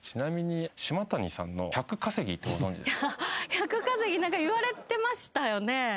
１００稼ぎ何か言われてましたよね。